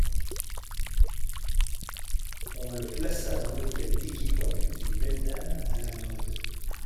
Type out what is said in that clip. On le plaça dans l'hôtel équivoque d'une belle dame à la mode.